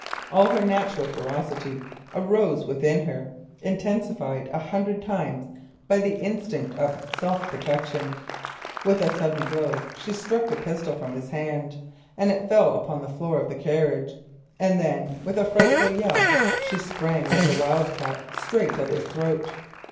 All her natural ferocity arose within her, intensified a hundred times by the instinct of self protection. With a sudden blow she struck the pistol from his hand; it fell upon the floor of the carriage. And then with a scream she sprang like a wild cat straight at his throat.